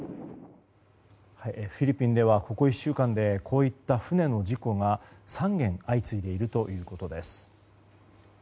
フィリピンではここ１週間でこういった船の事故が３件相次いでいるということです。